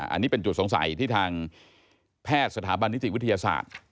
อันนี้เป็นจุดสงสัยที่ทางแพทย์สถาบันนิติวิทยาศาสตร์